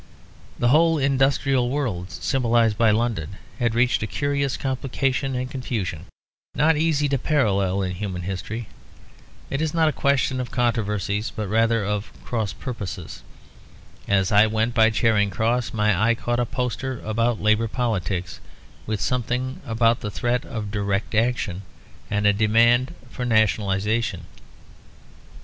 The whole industrial world symbolised by London had reached a curious complication and confusion, not easy to parallel in human history. It is not a question of controversies, but rather of cross purposes. As I went by Charing Cross my eye caught a poster about Labour politics, with something about the threat of Direct Action and a demand for Nationalisation.